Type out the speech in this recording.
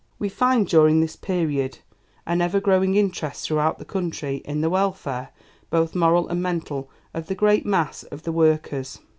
We find during this period an ever growing interest throughout the country in the welfare, both moral and mental, of the great mass of the workers.